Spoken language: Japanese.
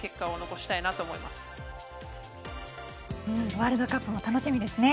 ワールドカップも楽しみですね。